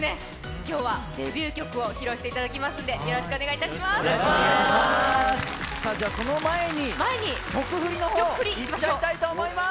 今日はデビュー曲を披露していただきますのでよろしくお願いします。